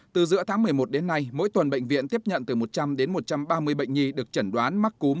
từ giữa tháng một mươi một đến nay mỗi tuần bệnh viện tiếp nhận từ một trăm linh đến một trăm ba mươi bệnh nhi được chẩn đoán mắc cúm